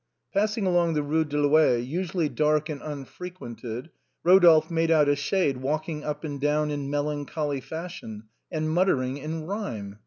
Passing along the Eue de l'Ouest, usually dark and unfre quented, Eodolphe made out a shade walking up and down in melancholy fashion, and muttering in rhyme.